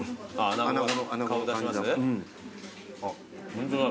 ホントだ。